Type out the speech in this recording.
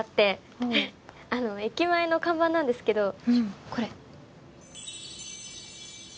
駅前の看板なんですけどこれ。